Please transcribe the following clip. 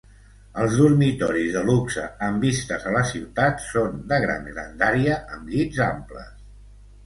Els dormitoris de luxe amb vistes a la ciutat són de gran grandària amb llits amples.